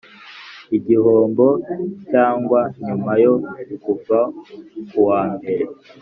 igihombo cyangwa nyuma yo kuva kuwambere